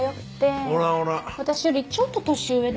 私よりちょっと年上で。